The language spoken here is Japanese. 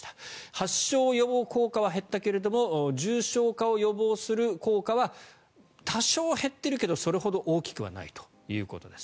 発症予防効果は減ったけど重症化を予防する効果は多少、減ってるけどそれほど大きくはないということです。